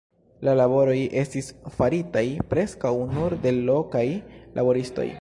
La laboroj estis faritaj preskaŭ nur de lokaj laboristoj.